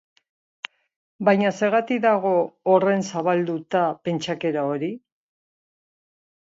Baina zergatik dago horren zabalduta pentsakera hori?